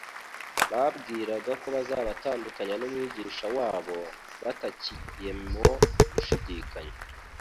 Bibwiraga ko bazabatandukanya n'Umwigisha wabo, babatcyemo gushidikanya.